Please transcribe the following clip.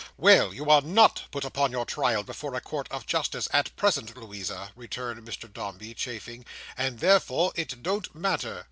"Well! you are not put upon your trial before a Court of Justice, at present, Louisa," returned Mr Dombey, chafing, "and therefore it don't matter."